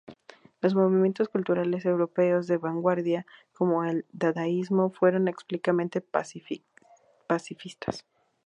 Los movimientos culturales europeos de vanguardia como el dadaísmo fueron explícitamente pacifistas.